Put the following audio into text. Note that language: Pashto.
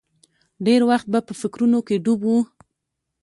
ډېر وخت به په فکرونو کې ډوب و.